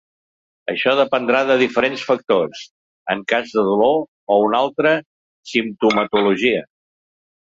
Això, dependrà de diferents factors, en cas de dolor o una altra simptomatologia.